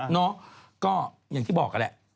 เนาะก็อย่างที่บอกกันแหละ